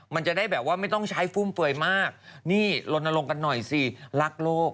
มันจะได้แบบว่าไม่ต้องใช้ฟุ่มเฟือยมากนี่ลนลงกันหน่อยสิรักโลก